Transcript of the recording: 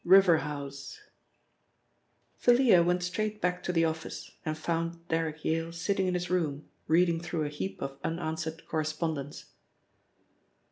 — RIVER HOUSE THALIA went straight back to the office and found Derrick Yale sitting in his room reading through a heap of unanswered correspondence.